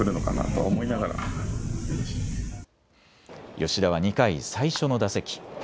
吉田は２回、最初の打席。